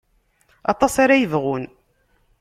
Aṭas ara yebɣun.